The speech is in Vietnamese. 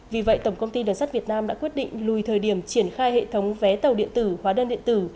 vì vậy tổng công ty đường sắt việt nam đã quyết định lùi thời điểm triển khai hệ thống vé tàu điện tử hóa đơn điện tử